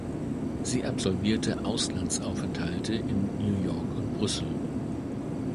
Sie absolvierte Auslandsaufenthalte in New York und Brüssel.